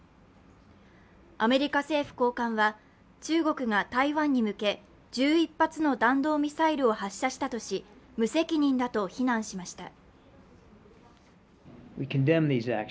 アメリカ政府高官は中国が台湾に向け１１発の弾道ミサイルを発射したとし、無責任だと非難しました。